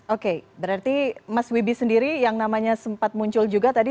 oke berarti mas wibi sendiri yang namanya sempat muncul juga tadi